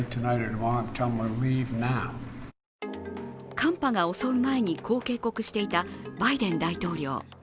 寒波が襲う前にこう警告していたバイデン大統領。